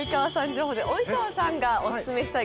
情報で及川さんがオススメしたい